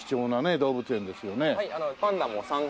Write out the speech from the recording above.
動物園ですよね。